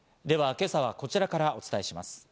では今朝はこちらからお伝えします。